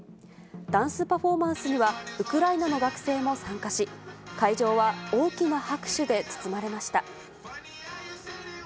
ダンスパフォーマンスには、ウクライナの学生も参加し、会場は大きな拍手で包まれました。